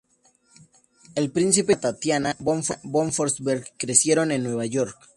El príncipe y su hermana Tatiana von Fürstenberg crecieron en Nueva York.